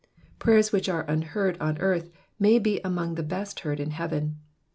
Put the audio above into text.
Prayers which are unheard on earth may be among the best heard in heaven.